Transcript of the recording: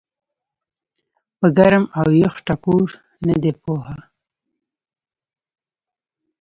پۀ ګرم او يخ ټکور نۀ دي پوهه